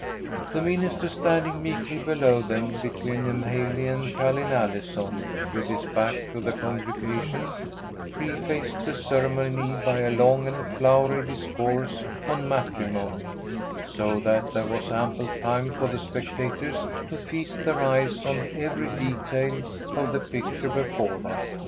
'"] The minister, standing meekly below them between M'haley and Ca'line Allison, with his back to the congregation, prefaced the ceremony by a long and flowery discourse on matrimony, so that there was ample time for the spectators to feast their eyes on every detail of the picture before them.